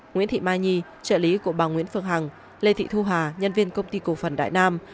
nguyễn thị mai nhi trợ lý của bà nguyễn phương hằng lê thị thu hà nhân viên công ty cổ phần đại nam